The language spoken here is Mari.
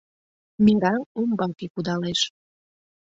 Мераҥ умбаке кудалеш.